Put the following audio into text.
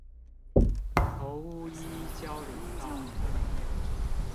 頭屋一交流道